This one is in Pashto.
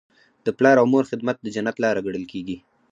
د پلار او مور خدمت د جنت لاره ګڼل کیږي.